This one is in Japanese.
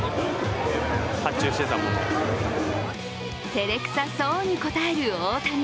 てれくさそうに答える大谷。